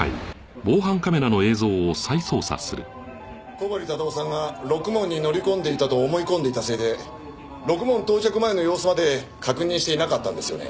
小堀忠夫さんがろくもんに乗り込んでいたと思い込んでいたせいでろくもん到着前の様子まで確認していなかったんですよね？